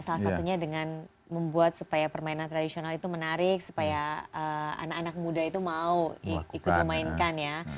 salah satunya dengan membuat supaya permainan tradisional itu menarik supaya anak anak muda itu mau ikut memainkan ya